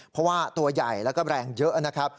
เพราะว่าตัวใหญ่แล้วก็แรงเยอะนะครับ